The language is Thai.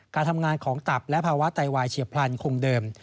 การทำงานของตับและภาวะไตวายเฉียบพลันคงเดิม